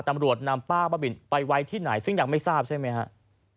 ตำรวจนำป้าบ้าบินไปไว้ที่ไหนซึ่งยังไม่ทราบใช่ไหมฮะ